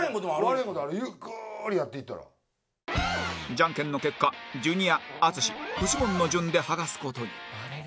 ジャンケンの結果ジュニア淳フジモンの順で剥がす事に